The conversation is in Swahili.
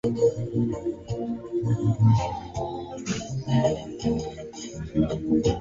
Ni mpango wa kuwanyanyua wajasiriamali na wanawake visiwani humo